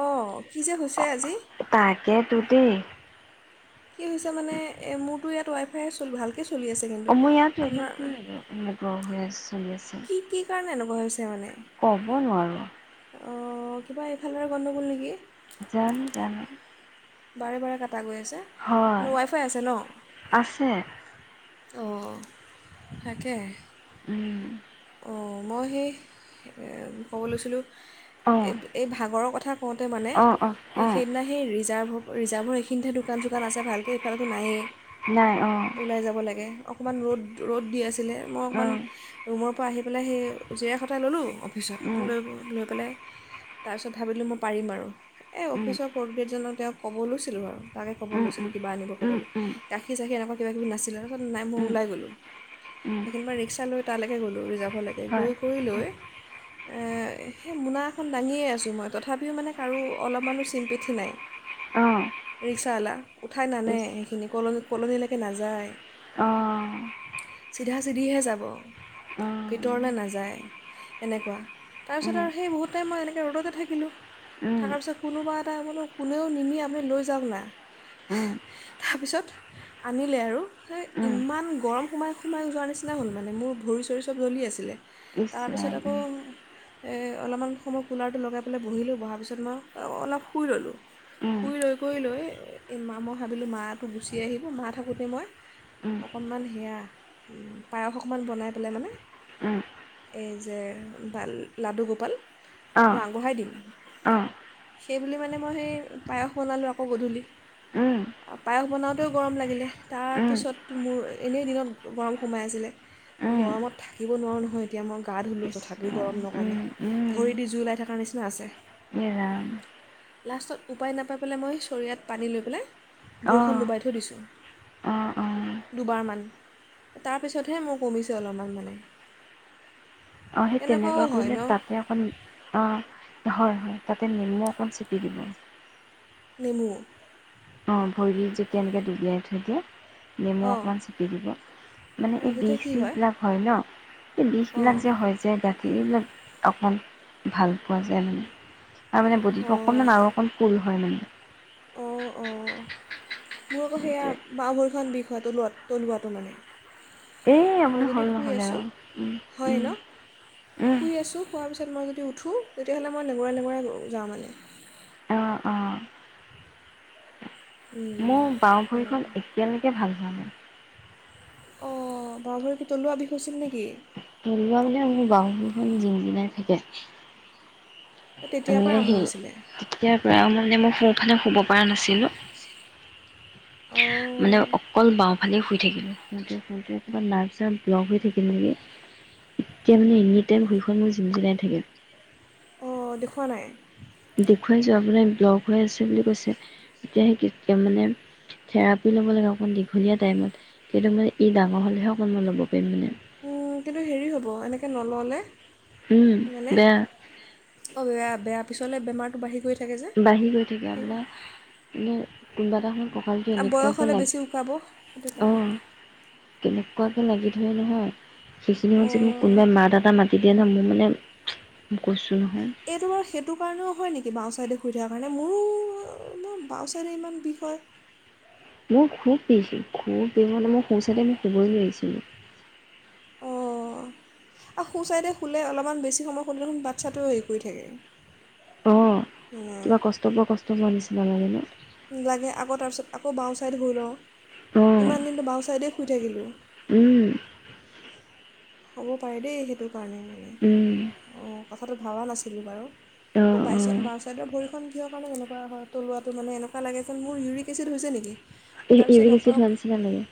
অঁ কি যে হৈছে আজি তাকেটো দেই। কি হৈছে মানে মোৰতো ইয়াত ৱাইফ ফাই চোল ভালকে অ মোৰ ইয়াতযে এইটো ফুল নেটৱৰ্ক হৈ চলি আছে। কি কি কাৰণে এনেকুৱা হৈছে? মানে ক'ব নোৱাৰোঁ। অঁ কিবা এইফালৰে গণ্ডগোল নেকি। জানো কি কাৰনে বাৰে বাৰে কাট খাই গৈ আছে তোনো ৱাইফাই আছে ন? আছে অঁ তাকে। উম। অঁ মই সেই ক'ব লৈছিলোঁ। অঁ এই এই ভাগৰৰ কথা। কওঁতে মানে অঁ অঁ সেই অঁ সেইদিনা সেই ৰিজাৰ্ভ। ৰিজাৰ্ভ এইখিনিতহে দোকান চোকান আছে ভালকে এইফালেতো নায়েই। নাই অঁ ওলাই যাব লাগে। অকমান ৰ'দ ৰ'দ দি আ। ছিলে মই অকণমান অঁ ৰুমৰ। আহি পেলাই সেই জিৰাই সতাই ল'লোঁ অফিচত উম লৈ লৈ পেলাই। তাৰপিছত ভাবিলোঁ মই পাৰিম আৰু। এ উম। অফিচৰ ফ'টগেটজনক তেওঁক। ক'ব লৈছিলোঁ আৰু। তাকে ক'ব উম উম লৈছিলোঁ কিব আনিব উম ক'বলে, উম গাখীৰ চাখি এনেকুৱা কিবা কিবি নাছিলে তাপিছত নাই মই উম ওলাই গলোঁ উম সেইখিনি পা ৰিক্সা লৈ তালৈকে গ'লোঁ। ৰিজাৰ্ভলৈকে হয় গৈ কৰি লৈ এ সেই মোনা এখন দাঙিয়ে আছোঁ মই তথাপিও মানে কাৰো অলপমানো চিমপেঠি নাই অঁ। ৰিক্সাৱালা। উঠাই নানে ইছ সেইখিনি কলেজত কলনিলৈকে নাযায় অঁ চিধা চিধিহে যাব। উম ভিতৰলৈ নাযায় এনেকোৱা তাৰপিছত উম আৰু সেই বহুত টাইম মই এনেকৈ ৰ'দতে থাকিলোঁ। উম থকাৰ পিছত কোনোবা এটা বোলো। কোনেও নিনি আপুনি লৈ যাওক না উম তাৰপিছত আনিলে আৰু সেই উম ইমান গৰম সোমাই সোমাই যোৱাৰ নিচিনা হ'ল মানে মোৰ ভৰি চৰি। চব জ্বলি আছিলে। ইছ ৰাম উম। এ অলপমান সময় কুলাৰটো লগাই পেলাই বহিলোঁ বহাৰ পিছত মই অলপ শুই ল'লোঁ। উম শুই লৈ কৰি লৈ। এই মা মই ভাবিলোঁ মাটো গুচি আহিব মা থাকোঁতে মই উম অকণমান সেয়া পায়স অকণমান বনাই পেলাই মানে উম। এই যে বা লাডু গোপাল। অঁ মই আগবঢ়াই দিম। অঁ সেইবুলি মানে মই সেই পায়স বনালোঁ আকৌ গধূলি। উম পায়স বনাও তেও গৰম লাগিলে উম তাৰপিছত মোৰ এনেই দিনত গৰম সোমাই আছিলে উম, গৰমত থাকিব নোৱাৰোঁ নহয় এতিয়া মই। গা ধুলোঁ ইছ তথাপিও ৰাম গৰম নকমে উম, ভৰি দি জুই উলাই থকাৰ নিচিনা আছে। এহৰাম। লাষ্টত উপায় নাপাই পেলাই মই চৰিয়াত পানী লৈ পেলাই ভৰিখন অ', ডুবাই থৈ দিছোঁ অ', অ', দুবাৰমান তাৰপিছতহে মোৰ কমিছে অলপমান মানে। অ সেই তেনেকুৱাও তেনেকোৱা হয় কৰিলে ন তাতে অকণ অ হয় হয় তাতে নেমু অকণ চিপি দিব। দিলো। অ ভৰি যেতিয়া এনেকে ডুবিয়াই থৈ দিয়ে। নেমু অঁ অকণমান চেপি দিব মানে অঁ এই তেতিয়া বিষ কি চিষ বিলাক হয় ন এই বিষ অঁ বিলাক যে হয় যে গাত যিবিলাক অকণমান ভাল পোৱা যায় মানে। তাৰ মানে বডিটো অঁ অকণমান আৰু অকণ পুৰ হয় মানে। অঁ অঁ মোৰ আকৌ সেয়া সেইটোৱে বাও ভৰি খন বিষ। খোৱাটো লোৱাটো লোৱাটো মানে। এই মই আপোনাৰ যদি সৰু শুই নহলে আছোঁ আৰু হয় ন উম উম। শুই আছোঁ শোৱাৰ পিছত মই যদি উঠোঁ তেতিয়াহ'লে মই লেঙৰাই লেঙৰাই যাওঁ মানে। অ অ। উম, মোৰ বাওঁ ভৰি খন তেনেকুৱা এতিয়ালৈকে ভাল হোৱা নাই। অ বা ভৰি কি তলুৱা বিষ হৈছিল নেকি? তলোৱা মানে মোৰ বওঁখন জিন জিনাই থাকে। এমেনে অঁ তেতিয়াৰ পৰা আৰম্ভ সেই হৈছিলে তেতিয়াৰ পৰা মানে মোক। সোঁফালে শুব পৰা নাছিলোঁ। মানে অঁ অকল বাওঁফালে শুই থাকিলো। শুওতে শুওতে কিবা নাৰ্ভ চাৰ্ভ ব্লক হৈ থাকিল নিকি এতিয়া মানে এনি টাইম ভুইখন মোৰ জিন জিনাই থাকে। অঁ দেখুওৱা নাই। দেখুৱাই চো আপোনাৰ ব্লক হৈ আছে বুলি কৈছে। তেতিয়াহে কেতিয়া মানে থেৰাপি ল'ব লাগে অকণ দীঘলীয়া টাইমত কিন্তু মানে ই ডাঙৰ হ'লেহে অকণ নল'ব। তে মানে। উম, কিন্তু হেৰি হ'ব এনেকে নল'লে। উম মানে বেয়া অ য়া বেয়া। পিছলৈ বেমাৰটো বাঢ়ি গৈ। থাকে যে বাঢ়ি গৈ থাকে সেই আপোনাৰ। এনে কোনোবা এটা সময়ত। কঁকালটো বয়স এনেকুৱাকে হ'লে লাগি বেছি ওকাব সেইটো কাৰণে অঁ কেনেকুৱাকে লাগি ধৰে নহয়। সেইখিনি সময়ত যদি মোক অঁ কোনোবাই মাত এটা মাতি তেতিয়া ন মোৰ মানে কৈছো এইটো বাৰু সেইটো কাৰণেও হয় নেকি? বাওঁ চাইতে শু - শুই থকা কাৰণে মোৰো মোৰ বাওঁ ছাইদে ইমান বিষ হয়। মোৰ খুব পিচি খুব বিহ মানে মোৰ সো চাইতে মই শুবই নোৱাৰিছিলো। অঁ আৰু সোচাইতে শুলে অলপমান বেছি সময় শুল দেখোন বাচ্ছাটোও হেৰি কৰি থাকে। অঁ মানে কিবা কষ্ট পোৱা কষ্ট পোৱা নিচিনা লাগে ন! লাগে আকৌ তাৰপিছত আকৌ বাওঁচাইতে শুই লওঁ। অঁ ইমান দিনটো বাওঁচাইদে। শুই থাকিলোঁ। উম। হ'ব পাৰে দেই সেইটো কাৰণেও মানে উম অঁ কথাটো ভবা নাছিলোঁ বাৰু অঁ এই বাই অঁ চাইড বাও ছাইডৰ ভৰিখন কিহৰ কাৰণে তেনেকুৱা হয় তলুৱাটো মানে এনেকুৱা লাগে যেন মোৰ ইউৰিক এচিড হৈছে নেকি? এই তাৰপিছত ইবিক এচিড ডক্টৰক হোৱা নিচিনা লাগে।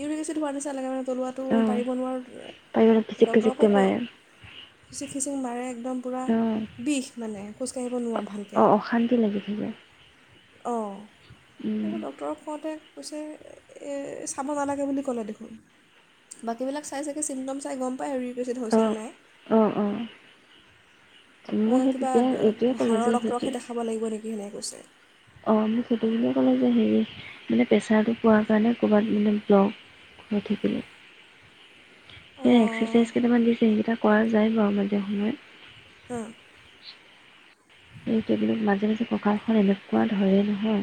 ইউৰিক এচিড হোৱাৰ নিচনা লাগে মানে তলোৱাটো পাৰিব নোৱাৰো! পাৰে মানে কিচিক কিচিক কে মাৰে। ইং মাৰে। একদম পুৰা অঁ বিষ মানে! খোজ কাঢ়িব নোৱাৰো ভালকে। অঁ অশান্তি লাগি থাকে অ' মই ডক্টৰক কওঁতে কৈছে, চাব নালাগে বুলি ক'লে দেখোন! বাকীবিলাক চাই চাগে চিনডম চাই গম ইউৰিক এচিড হৈছেনে অঁ নাই? অঁ অঁ অঁ মোৰ সেই কিবা তেতিয়া এইটোৱে ক'লে যে হাড়ৰ সেইটো ডক্তৰকহে দেখাব লাগিব নেকি সেনে কৈছে। অ' মোক সেইটো বুলিয়ে ক'লে যে, হেৰি মানে প্ৰেছাৰটো পোৱাৰ কাৰণে ক'ৰবাত মানে ব্লক হৈ থাকিলে। হে অঁ এক্সাৰচাইজ কেইটামান দিছে, সেইকেইটা কৰাৰ যায় বাৰু মাজে সময়ে। অ'। এই কেইদিনত মাজে-মাজে কঁকালখন এনেকুৱা ধৰে নহয়!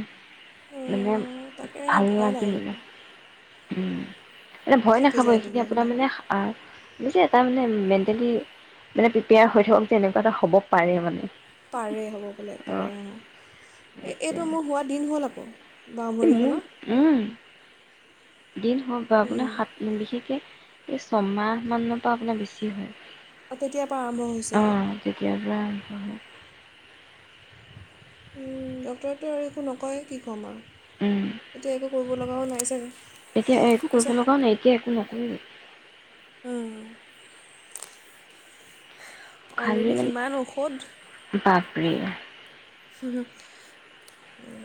মানে অঁ তাকে ভয় লাগে [unintelligible] মানে দেখোন উম। মানে ভয় থাকি নাখাব, যায় বুলি এইখিনি আপোনাৰ এইবিলাক ন মানে [unintelligible] এটা মানে মেণ্টেলি, মানে প্ৰিপেয়াৰ হৈ থাকক যে এনেকুৱা এটা হ'ব পাৰে মানে! পাৰে হ'ব বোলে, পাৰে অ' অ'। এইটো মোৰ হোৱা দিন হ'ল আকৌ! বাওঁ ভৰিখনৰ মোৰ, উম। দিন হওক বাৰু, আপোনাৰ হাত বিশেষকে এই ছমাহমানৰ পৰা আপোনাৰ বেছি হয়। তেতিয়াৰ পৰা আৰম্ভ হৈছে আৰু। উম। ডক্তৰেতো আৰু একো নকয় কি ক'ম আৰু! উম, এতিয়া একো কৰিব লগাবও নাই চাগৈ। এতিয়া একো কৰিব লগাও নাই, এতিয়া একো ন [unintelligible] উম। অলৰেডি কিমান ঔষধ? প্ৰে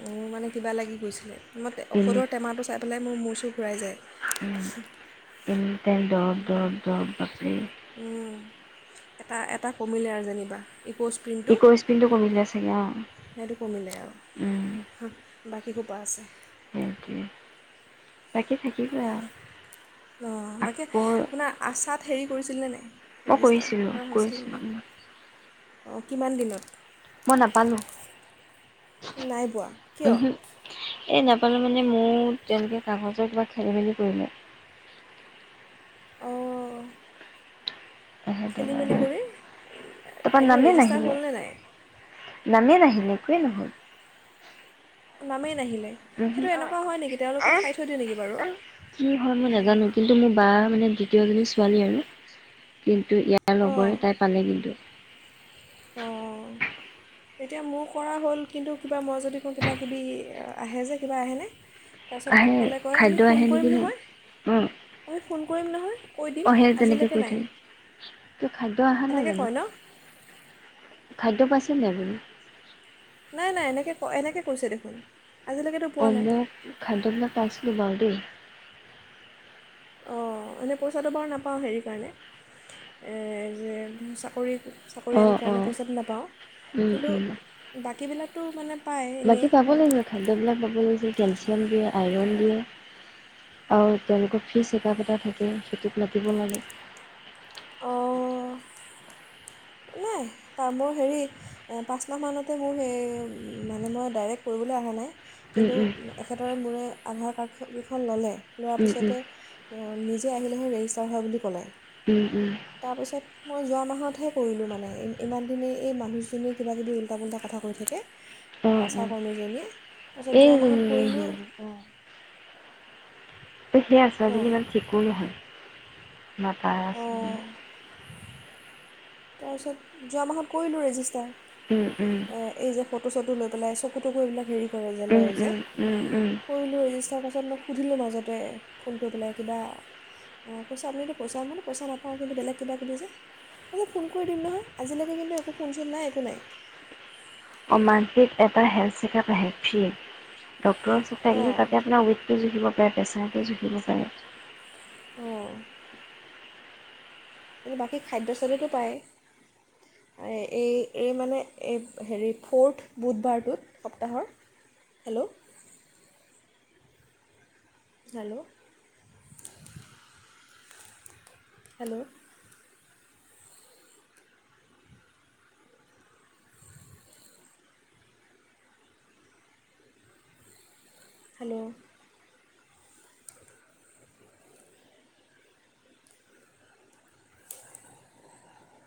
মোৰ মানে কিবা লাগি গৈছিলে! ম এনি ঔষধৰ টেমাটো চাই পেলাই মোৰ মূৰ চুৰ ঘূৰাই যায়। তে দৱ দৱ দৰৱ বাচি উম, এটা এটা কমিলে আৰু যেনিবা ই স্পিনটো কমিলে চাগে অ স ক উম বাকি কোৱা আছে সেইটোৱে বাকী থাকিব আৰু অঁ বাকী আকৌ আপোনাৰ আচাৰ হেৰি কৰিছিলে নাই মই ৰেজিষ্টাৰ কৰিছিলোঁ কৰা কৰিছোঁ হৈছিলনে আপাক অঁ কিমান দিনত মই নাপালো নাই বোৱা উম কিয় হ এই নাপালো মানে মোৰ তেওঁলোকে কাগজৰ কিবা খেলি মেলি কৰিলে। অঁ সেইটো খেলি মেলি কাৰণে কৰি তাৰপৰা এনেই নামেই ৰেজিষ্টাৰ নাহিলে হ'লনে নাই। নামেই নাহিলে একোৱেই নহল নামেই নাহিলে উ সেইটো এনেকুৱা হয় নেকি তেওঁলোকে খাই থৈ দিয়ে নেকি বাৰু কি হয় মই নাজানো কিন্তু মোৰ বা মানে তৃতীয় জনী ছোৱালী আৰু কি ইয়াৰ অঁ লগৰে অঁ তাই পালে কিন্তু অঁ এতিয়া মোৰ কৰা হ'ল কিন্তু কিবা মই যদি কওঁ কিবা কিবি আহে যে কিবা আহেনে তাৰপাছত আহে ক'লে কয় আমি খাদ্য ফোন আহে কৰিম নেকি ন নহয় অ আমি ফোন কৰিম নহয় কৈ দিম অ সেই তেনেকে আজিলৈকে কয় নাই থাকি ত খাদ্য অহা নাই এনেকৈ জানো। কয় ন খাদ্য পাইছেনে আপুনি নাই নাই এনেকৈ এনেকৈ কৈছে দেখোন। আজিলৈকেতো অ পোৱা নাই মোক খান্ৰ নাপাইছিলো বাৰু দেই অঁ এনেই পইচাটো বাৰু নাপাওঁ হেৰি কাৰণে যে চাকৰি অ চাকৰিয়াল অ কাৰণে পইচাটো নাপাওঁ উম কিন্তু উম বাকীবিলাকতো মানে পায় বাকী এনেই পাব লাগিব খাদ্যবিলাক পাব লাগিছিল কেলচিয়াম দিয়ে আইৰণ দিয়ে আৰু তেওঁলোকৰ ফি চেকাপ এটা থাকে সেই টোত মাতিব লাগে। অ' নাই মই হেৰি পাঁচ মাহ মানতে মোৰ সেই মানে মই ডাইৰেক্ট কৰিবলৈ অহা নাই। উম কিন্তু উম একেদৰে মোৰে আধাৰ কাৰ্ড চকী খন ল'লে লোৱাৰ উম উম পিছতে নিজে আহি হে ৰেজিষ্টাৰ হয় বুলি ক'লে উম উম। তাৰপিছত মই যোৱা মাহতহে কৰিলোঁ মানে ইমান দিনেই এই মানুহজনীয়ে কিবাকিবি উল্টা পুলটা কথা কৈ থাকে। অ অ আশা কৰ্মীজনীয়ে তাৰপিছত এই যোৱা মাহত কৰিলোঁ এতিয়া ছোৱালীজনী অঁ ইমান ঠিকো নহয়। নাপায় আছ অঁ তাৰপিছত যোৱা মাহত কৰিলোঁ ৰেজিষ্টাৰ উম উম এই জে ফটো চটো লৈ। পেলাই চকুতকো এইবিলাক হেৰি কৰে যে উম, লয় যে, উম, উম, উম। কৰিলোঁ ৰেজিষ্টাৰ তাৰ পাছত সুধিলোঁ মাজতে ফোন কৰি পেলাই কিবা, কৈছে আপনিতো পইচা নহ'ল পইচা নাপাওঁ কিন্তু বেলেগ কিবাকিবি যে ফোন কৰি দিম নহয়। আজিলৈকে কিন্তু একো ফোনচোন নাই একো নাই। অমানটিক এটা হেল্থ চেকআপ আহে ফ্ৰী ডক্টৰ ওচৰত আহিলো অঁ তাতে আপোনাৰ উইকটো জুখিব পাৰে। পেচাৰটো জুখিব পাৰে। অ কিন্তু বাকী খাদ্য চাদ্যটো পায়। এই এই মানে এই হেৰি ফৰ্থ বুধবাৰটোত সপ্তাহৰ। হেল্ল'? Hello hello. হেল্ল'।